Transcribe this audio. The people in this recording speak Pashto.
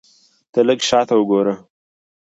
ته لږ شاته وګوره !